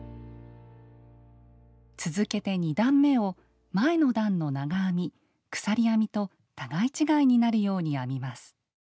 続けて２段めを前の段の長編み鎖編みと互い違いになるように編みます。